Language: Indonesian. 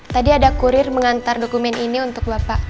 tadi ada kurir mengantar dokumen ini untuk bapak